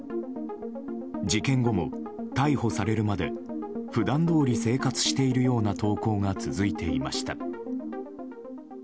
事件後も逮捕されるまで普段どおり生活しているような投稿が続いていました。